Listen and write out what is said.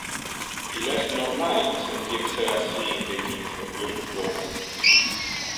Il es normal sentir se assi in le initio, io suppone.